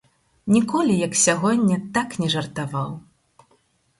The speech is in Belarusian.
Ніколі, як сягоння, так не жартаваў.